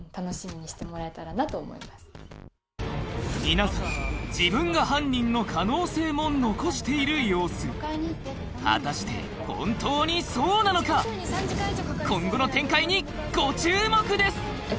皆さん自分が犯人の可能性も残している様子果たして本当にそうなのか⁉１５時判断です。